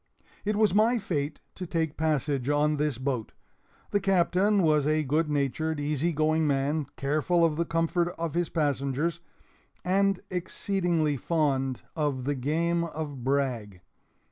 It was my fate to take passage in this boat. The Captain was a good natured, easy going man, careful of the comfort of his passengers, and exceedingly fond of the game of brag.